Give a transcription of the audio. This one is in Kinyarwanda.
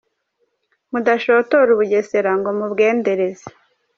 mudashotora u Bugesera ngo mubwendereze.